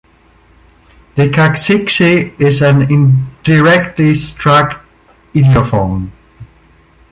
The caxixi is an indirectly struck idiophone.